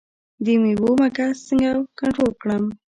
د میوو مګس څنګه کنټرول کړم؟